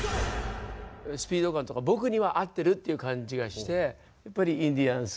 スピード感とか僕には合ってるっていう感じがしてインディアンス！